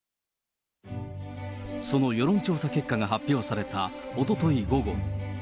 その世論調査結果が発表されたおととい午後。